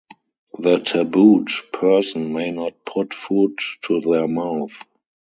The tabooed person may not put food to their mouth.